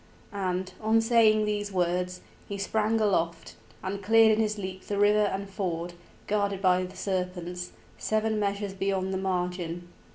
And, on saying these words, he sprang aloft, and cleared in his leap the river and ford, guarded by the serpents, seven measures beyond the margin.